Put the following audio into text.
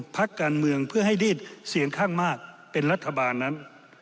พักการเมืองเพื่อให้ดีดเสียงข้างมากเป็นรัฐบาลนั้น